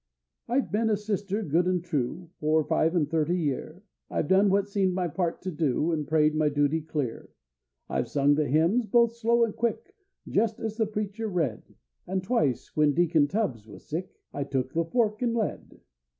I've been a sister good an' true For five an' thirty year; I've done what seemed my part to do, An' prayed my duty clear; I've sung the hymns both slow and quick, Just as the preacher read, And twice, when Deacon Tubbs was sick, I took the fork an' led!